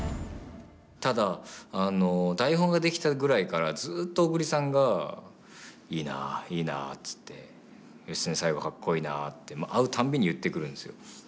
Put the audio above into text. ただあの台本が出来たぐらいからずっと小栗さんが「いいないいな」っつって「義経最後かっこいいな」って会うたんびに言ってくるんですよ。